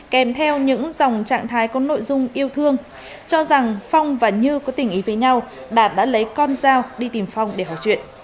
kèm theo những dòng trạng thái có nội dung yêu thương cho rằng phong và như có tình ý với nhau đạt đã lấy con dao đi tìm phong để hỏi chuyện